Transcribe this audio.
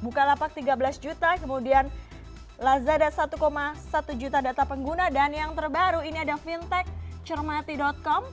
bukalapak tiga belas juta kemudian lazada satu satu juta data pengguna dan yang terbaru ini ada fintech cermati com